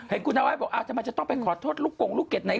เห็นคุณแนวัฒต์บอกเอาใหม่จะต้องกอดทดลูกกลงลูกเก็บไหน